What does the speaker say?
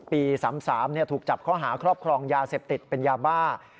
ปี๓๓ถูกจับข้อหาครอบครองยาเสพติดเป็นยาบ้า